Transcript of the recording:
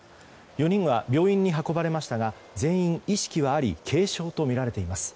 ４人は病院に運ばれましたが全員、意識はあり軽傷とみられています。